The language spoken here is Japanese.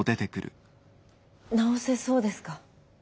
治せそうですか？